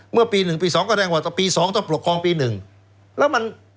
เมื่อปี๑ปี๒ก็แสดงว่าปี๒ต้องปกครองปีหนึ่งแล้วมัน